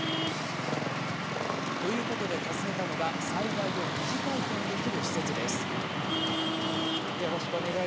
ということで訪ねたのが災害を疑似体験できる施設です。